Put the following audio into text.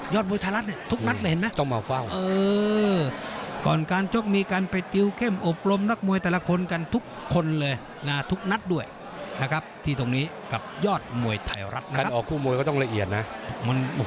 ยอดมวยไทยรัฐนี่ทุกนัดเลยเห็นไหม